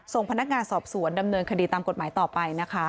ส่งพนักงานสอบสวนดำเนินคดีตามกฎหมายต่อไปนะคะ